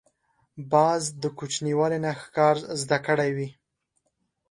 باز د کوچنیوالي نه ښکار زده کړی وي